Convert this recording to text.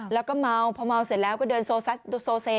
แล้วก็เมาเพราะเมาเสร็จแล้วก็เดินโซเซ